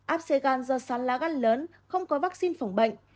áp xe gan do sán lá gan lớn không có vaccine phòng bệnh